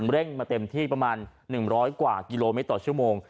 เร่งมาเต็มที่ประมาณ๑๐๐กว่ากิโลเมตรต่อชั่วโมง